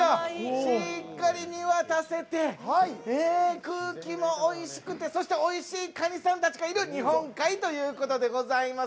しっかり見渡せて空気もおいしくてそしておいしいかにさんたちがいる日本海ということでございます。